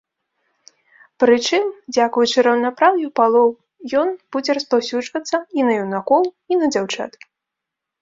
Прычым дзякуючы раўнапраўю палоў ён будзе распаўсюджвацца і на юнакоў, і на дзяўчат.